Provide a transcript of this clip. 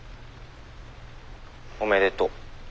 おめでと。